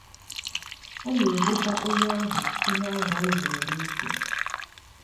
a na-ebokwa onye ahụ ihe ahụ o zuru n'isi